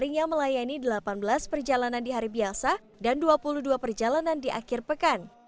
melayani delapan belas perjalanan di hari biasa dan dua puluh dua perjalanan di akhir pekan